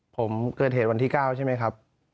ผมเกิดเหตุวันที่๙ใช่ไหมครับ